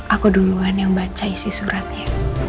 aku duluan yang baca isi suratnya